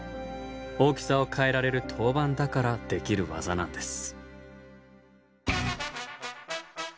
大きさを変えられる陶板だからできる技なんです。